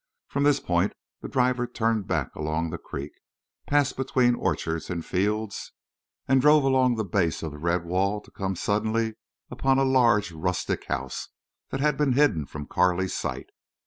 From this point the driver turned back along the creek, passed between orchards and fields, and drove along the base of the red wall to come suddenly upon a large rustic house that had been hidden from Carley's sight.